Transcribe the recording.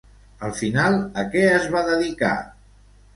Al final a què es va dedicar?